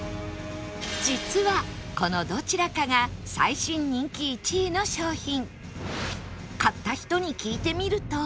実はこのどちらかが最新人気１位の商品